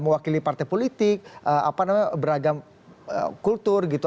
mewakili partai politik beragam kultur gitu